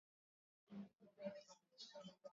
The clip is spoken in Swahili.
Dalili nyingine ni kinyesi cha mnyama kuwa na minyoo